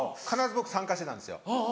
必ず僕参加してたんですよ。